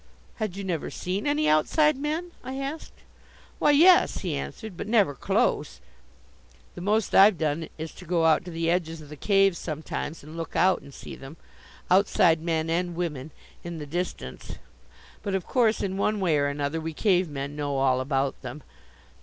"Had you never seen any Outside Men?" I asked. "Why, yes," he answered, "but never close. The most I've done is to go out to the edges of the cave sometimes and look out and see them, Outside Men and Women, in the distance. But of course, in one way or another, we Cave men know all about them.